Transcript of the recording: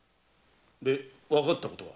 でわかったことは？